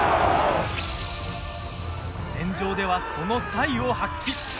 戦場では、その才を発揮。